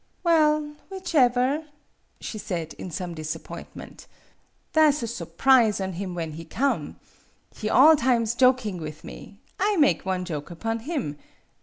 " Well, whichever," she said, in some dis appointment, "tha' 's a so'prise on him when he come. He all times joking with me; I make one joke upon him.